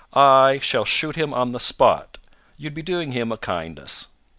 I shall shoot him on the spot you would be doing him a kindness."